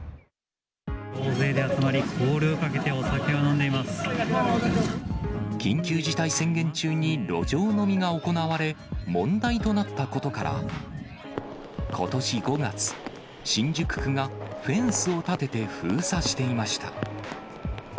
大勢で集まり、コールをかけ緊急事態宣言中に路上飲みが行われ、問題となったことから、ことし５月、新宿区がフェンスを立てて封鎖していました。